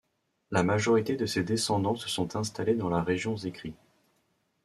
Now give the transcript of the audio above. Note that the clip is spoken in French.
La majorité de ses descendants se sont installés dans la région Zekri.